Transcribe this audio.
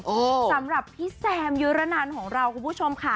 สำหรับพี่แซมยุระนันของเราคุณผู้ชมค่ะ